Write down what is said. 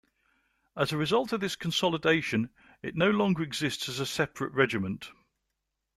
As a result of this consolidation, it no longer exists as a separate regiment.